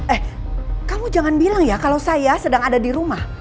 eh kamu jangan bilang ya kalau saya sedang ada di rumah